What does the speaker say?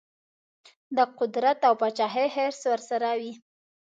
د قدرت او پاچهي حرص ورسره وي.